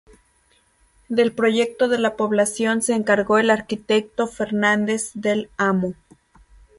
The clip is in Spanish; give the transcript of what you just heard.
Del proyecto de la población se encargó el arquitecto Fernández del Amo.